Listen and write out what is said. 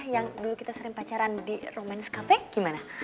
yang dulu kita sering pacaran di romance cafe gimana